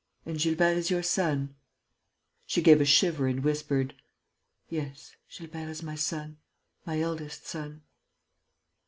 "And Gilbert is your son?" She gave a shiver and whispered: "Yes, Gilbert is my son, my eldest son."